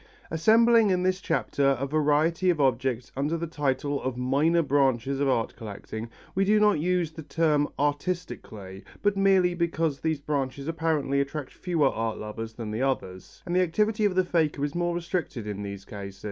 Assembling in this chapter a variety of objects under the title of minor branches of art collecting, we do not use the term artistically, but merely because these branches apparently attract fewer art lovers than the others, and the activity of the faker is more restricted in their case.